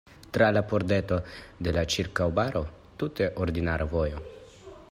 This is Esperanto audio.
Tra la pordeto de la ĉirkaŭbaro tute ordinara vojo.